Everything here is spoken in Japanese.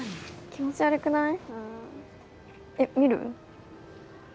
気持ち悪くない？